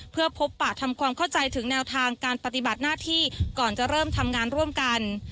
เพื่อพบปะทำความเข้าใจถึงแนวทางการปฏิบัติหน้าที่ก่อนจะเริ่มทำงานร่วมกัน